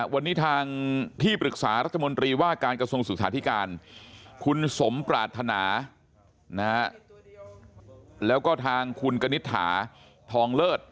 วันนี้ทางที่ปรึกษารัฐมนตรีว่าการกระทรวงศึกษาธิการคุณสมปรารถนาแล้วก็ทางคุณกณิตถาทองเลิศ